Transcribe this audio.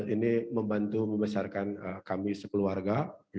ini membantu membesarkan kami sekeluarga